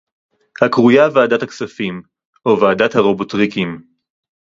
הקרויה ועדת הכספים, או ועדת הרובוטריקים